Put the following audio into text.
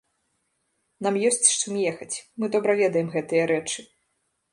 Нам ёсць з чым ехаць, мы добра ведаем гэтыя рэчы.